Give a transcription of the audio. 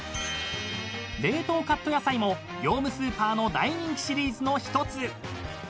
［冷凍カット野菜も業務スーパーの大人気シリーズの１つ］